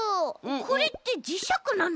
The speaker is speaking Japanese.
これってじしゃくなの？